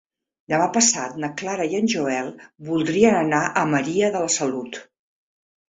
Demà passat na Clara i en Joel voldrien anar a Maria de la Salut.